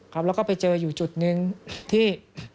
ครับแล้วก็ไปเจออยู่จุดหนึ่งที่